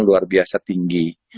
luar biasa tinggi